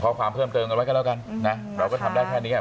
เพิ่มเติมกันไว้ก็แล้วกันนะเราก็ทำได้แค่นี้อ่ะ